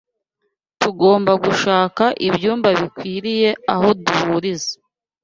tugomba gushaka ibyumba bikwiriye aho duhuriza